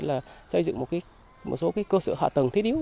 là xây dựng một số cơ sở hạ tầng thiết yếu